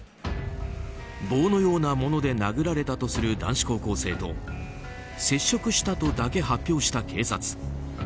棒のようなもので殴られたとする男子高校生と接触したとだけ発表した警察。